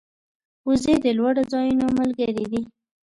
وزې د لوړو ځایونو ملګرې دي